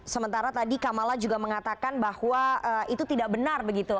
sementara tadi kamala juga mengatakan bahwa itu tidak benar begitu